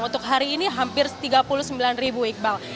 untuk hari ini hampir tiga puluh sembilan ribu iqbal